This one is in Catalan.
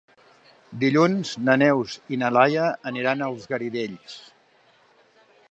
Dilluns na Neus i na Laia aniran als Garidells.